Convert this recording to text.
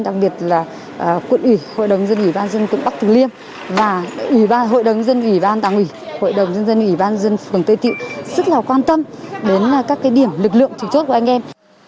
đặc biệt là quận ủy hội đồng dân ủy ban dân quận bắc tử liêm và hội đồng dân ủy ban tàng ủy hội đồng dân ủy ban dân phường tây tịu rất là quan tâm đến các điểm lực lượng trực chốt của anh em